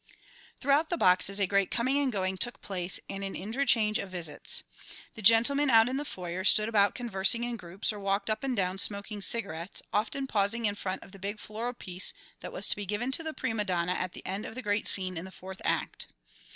Throughout the boxes a great coming and going took place and an interchange of visits. The gentlemen out in the foyer stood about conversing in groups or walked up and down smoking cigarettes, often pausing in front of the big floral piece that was to be given to the prima donna at the end of the great scene in the fourth act.